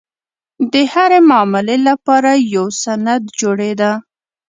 د هرې معاملې لپاره یو سند جوړېده.